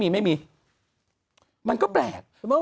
คุณหนุ่มกัญชัยได้เล่าใหญ่ใจความไปสักส่วนใหญ่แล้ว